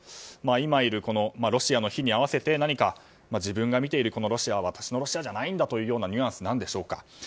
今いるロシアの日に合わせて何か自分が見ているロシアは私のロシアじゃないんだというニュアンスなんでしょうか。